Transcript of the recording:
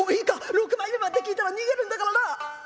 ６枚目まで聞いたら逃げるんだからな」。